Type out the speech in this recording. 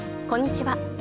こんにちは。